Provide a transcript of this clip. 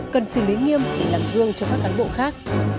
cần xử lý nghiêm để làm gương cho các cán bộ khác